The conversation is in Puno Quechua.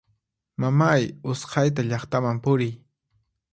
Mamay usqhayta llaqtaman puriy!